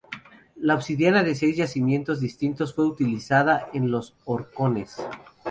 La obsidiana de seis yacimientos distintos fue utilizada en Los Horcones.